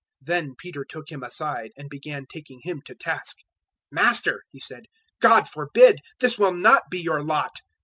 016:022 Then Peter took Him aside and began taking Him to task. "Master," he said, "God forbid; this will not be your lot."